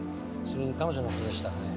それに彼女の事でしたらね